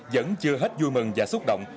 vẫn chưa hết vui mừng và xúc động